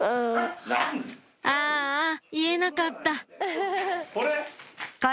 ああ言えなかったこれ？